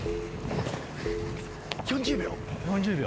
４０秒。